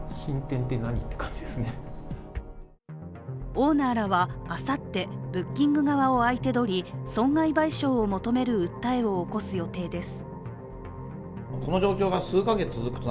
オーナーらはあさってブッキング側を相手取り損害賠償を求める訴えを起こす予定です。